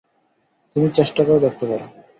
তুমি চেষ্টা করে দেখতে পার?